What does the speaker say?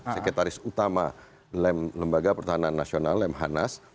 sekretaris utama lembaga pertahanan nasional lemhanas